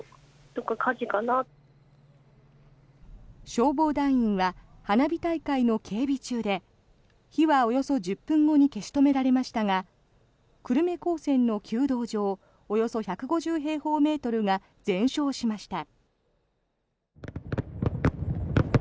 消防団員は花火大会の警備中で火はおよそ１０分後に消し止められましたが久留米高専の弓道場およそ１５０平方メートルが全焼しました。